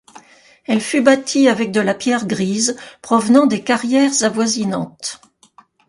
Elle fut bâtie avec de la pierre grise provenant des carrières avoisinantes.